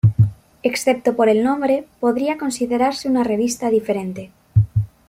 Excepto por el nombre, podría considerarse una revista diferente.